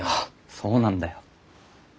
そうなんだよ。